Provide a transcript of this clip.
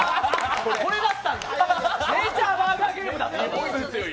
これだったんだ「ネイチャーバーガーゲーム」。